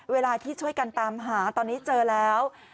เวลาที่ช่วยกันตามหาตอนนี้เจอแล้ว